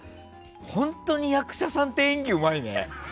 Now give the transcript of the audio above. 本当に役者さんって演技うまいね。